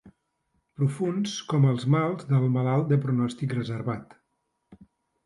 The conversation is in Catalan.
Profunds com els mals del malalt de pronòstic reservat.